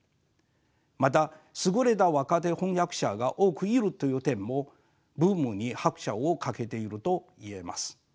また優れた若手翻訳者が多くいるという点もブームに拍車をかけていると言えます。